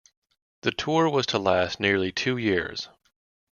The tour was to last nearly two years.